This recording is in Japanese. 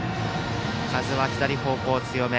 風は左方向、強め。